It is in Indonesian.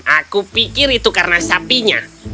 aku pikir itu karena sapinya